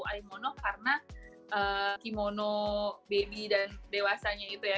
karena imoto karena kimono baby dan dewasanya itu ya